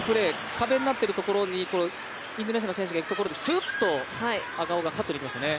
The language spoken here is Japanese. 壁になっているところにインドネシアの選手がいくところでスッと赤穂がカットに行きましたね。